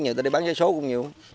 nhiều người ta đi bán giấy số cũng nhiều